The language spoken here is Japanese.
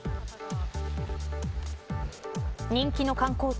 人気の観光地